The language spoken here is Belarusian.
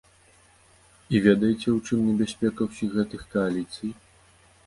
І ведаеце, у чым небяспека ўсіх гэтых кааліцый?